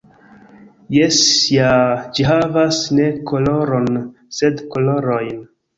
Jes ja, ĝi havas ne koloron, sed kolorojn.